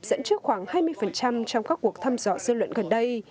dẫn trước khoảng hai mươi trong các cuộc thăm dò dư luận gần đây